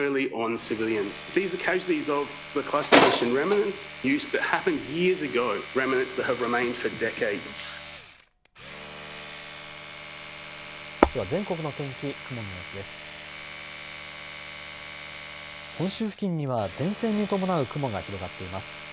本州付近には前線に伴う雲が広がっています。